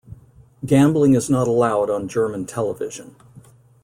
Gambling is not allowed on German television.